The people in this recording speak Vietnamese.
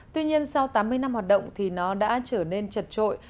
tuy nhiên sau tám mươi năm hoạt động thì nó đã trở nên chật trội